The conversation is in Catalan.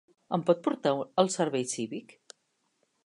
Em pot portar al servei cívic?